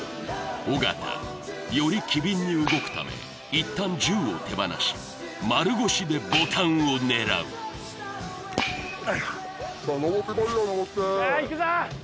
尾形より機敏に動くため一旦銃を手放し丸腰でボタンを狙うさあいくぞ！